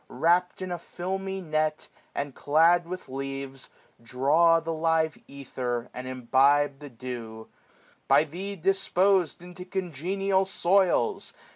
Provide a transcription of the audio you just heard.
Wrapt in a filmy net, and clad with leaves. Draw the live ether, and imbibe the dew : 560 By Thee disposed into congenial soils.